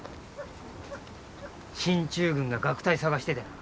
進駐軍が楽隊探しててな。